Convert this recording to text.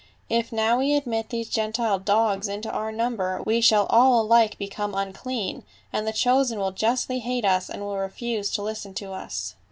If now we admit these Gentile dogs into our number we shall all alike become unclean ; and the chosen will justly hate us and will refuse to listen to us."